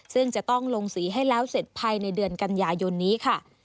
ซึ่งจะต้องลงสีให้แล้วเสร็จภายในเดือนกันยายนนี้ค่ะ